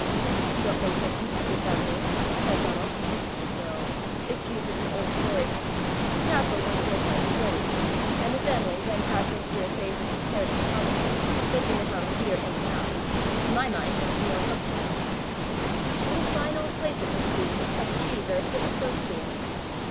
"You don't make much use of this avenue!" said Donal. "No; its use is an old story. The castle was for a time deserted, and the family, then passing through a phase of comparative poverty, lived in the house we are in now to my mind much the more comfortable." "What a fine old place it must be, if such trees are a fit approach to it!"